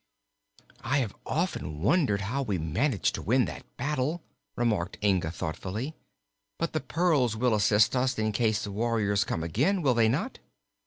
"I have often wondered how we managed to win that battle," remarked Inga thoughtfully. "But the pearls will assist us in case the warriors come again, will they not?"